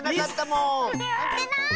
のってない！